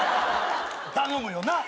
頼むよなっ？